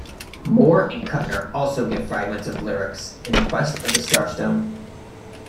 Moore and Kuttner also give fragments of lyrics in Quest of the Starstone.